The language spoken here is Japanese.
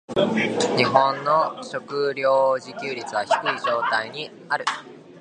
日本の食糧自給率は低い状態にある。